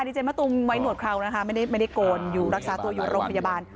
ดีเจมะตูมไว้หนวดเคราวนะคะไม่ได้โกนอยู่รักษาตัวอยู่โรงพยาบาล